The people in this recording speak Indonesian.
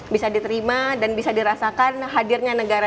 bisa diterima dan bisa dirasakan hadirnya negara